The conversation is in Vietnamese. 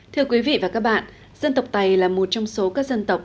thưa quý vị và các bạn dân tộc tày là một trong số các dân tộc